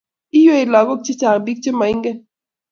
Iywei lagok che chang' biik che maingen